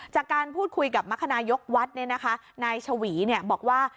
จากการพูดคุยกับมรคนายกวัดนายชวีบอกว่า